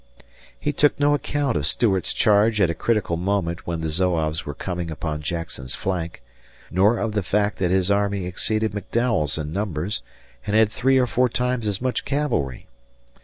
He took no account of Stuart's charge at a critical moment when the Zouaves were coming upon Jackson's flank; nor of the fact that his army exceeded McDowell's in numbers, and had three or four times as much cavalry.